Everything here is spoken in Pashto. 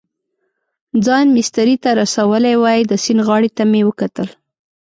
ځان مېسترې ته رسولی وای، د سیند غاړې ته مې وکتل.